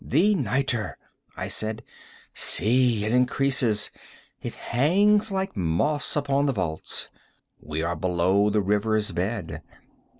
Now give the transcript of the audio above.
"The nitre!" I said: "see, it increases. It hangs like moss upon the vaults. We are below the river's bed.